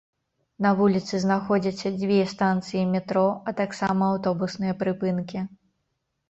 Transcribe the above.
На вуліцы знаходзяцца дзве станцыі метро, а таксама аўтобусныя прыпынкі.